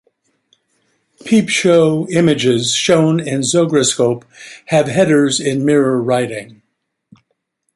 Peep show images shown in a zograscope have headers in Mirror writing.